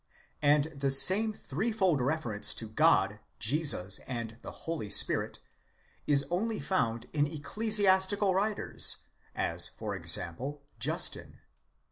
5), and the same threefold reference to God, Jesus, and the Holy Spirit is only found in ecclesiastical writers, as, for example, Justin?